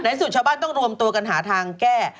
สุดชาวบ้านต้องรวมตัวกันหาทางแก้